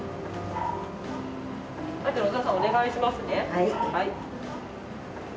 はい。